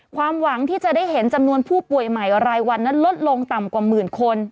ความหวังที่จะได้เห็นจำนวนผู้ป่วยใหม่รายวันนั้นลดลงต่ำกว่าหมื่นคน